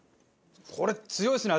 これ強いですね味が。